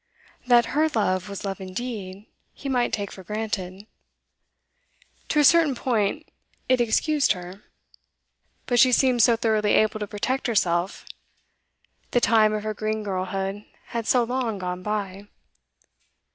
That her love was love indeed, he might take for granted. To a certain point, it excused her. But she seemed so thoroughly able to protect herself; the time of her green girlhood had so long gone by.